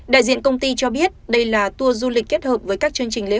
đại diện công ty cho biết đây là tour du lịch kết thúc